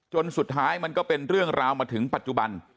สุดท้ายมันก็เป็นเรื่องราวมาถึงปัจจุบัน